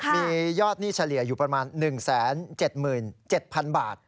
มียอดหนี้เฉลี่ยอยู่ประมาณ๑๗๗๐๐บาท